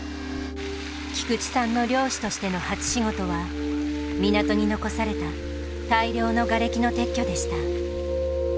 菊地さんの漁師としての初仕事は港に残された大量のがれきの撤去でした。